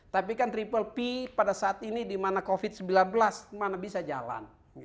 tapi kan triple p pada saat ini di mana covid sembilan belas mana bisa jalan